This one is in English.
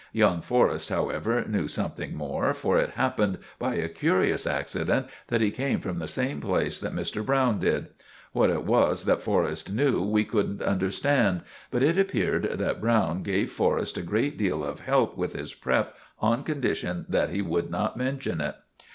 Young Forrest, however, knew something more, for it happened by a curious accident that he came from the same place that Mr. Browne did. What it was that Forrest knew we couldn't understand; but it appeared that Browne gave Forrest a great deal of help with his prep. on condition that he would not mention it.